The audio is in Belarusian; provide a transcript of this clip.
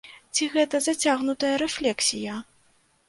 Ці гэта зацягнутая рэфлексія?